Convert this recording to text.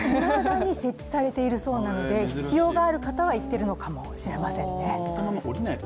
設置されているそうなので必要がある方はいっているのかもしれませんね。